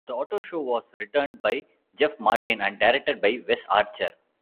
"The Otto Show" was written by Jeff Martin and directed by Wes Archer.